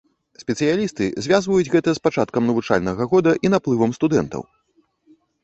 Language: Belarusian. Спецыялісты звязваюць гэта з пачаткам навучальнага года і наплывам студэнтаў.